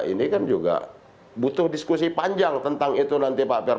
ini kan juga butuh diskusi panjang tentang itu nanti pak